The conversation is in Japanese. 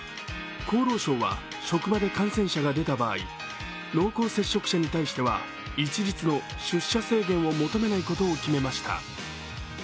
厚労省は、職場で感染者が出た場合濃厚接触者に対しては一律の出社制限を求めないことを決めました。